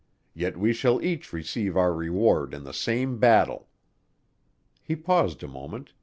Yet we shall each receive our reward in the same battle." He paused a moment.